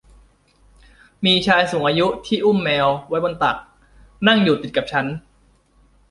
มีชายสูงอายุที่อุ้มแมวไว้บนตักนั่งอยู่ติดกับฉัน